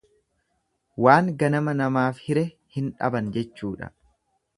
Waan ganama namaaf hire hin dhaban jechuudha.